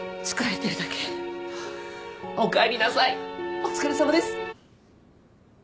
お疲れさまです！